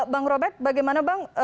bang robert bagaimana bang